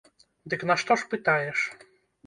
Дык нашто ж пытаеш?